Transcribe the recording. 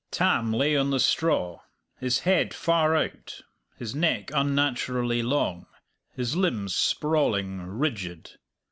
Tam lay on the straw, his head far out, his neck unnaturally long, his limbs sprawling, rigid.